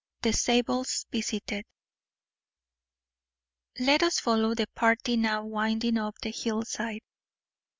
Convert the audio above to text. XV THE ZABELS VISITED Let us follow the party now winding up the hillside.